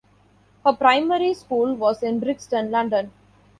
Her primary school was in Brixton, London.